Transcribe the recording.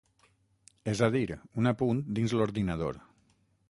És a dir, un apunt dins l’ordinador.